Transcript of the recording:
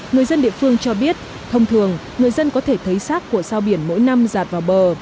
người dân địa phương cho biết thông thường người dân có thể thấy rác của sao biển mỗi năm giạt vào bờ